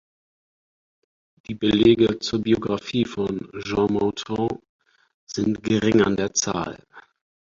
Die Belege zur Biografie von Jean Mouton sind gering an der Zahl.